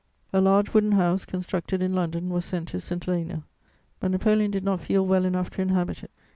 ] A large wooden house, constructed in London, was sent to St Helena; but Napoleon did not feel well enough to inhabit it.